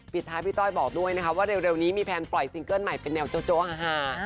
ท้ายพี่ต้อยบอกด้วยนะคะว่าเร็วนี้มีแพลนปล่อยซิงเกิ้ลใหม่เป็นแนวโจ๊ฮา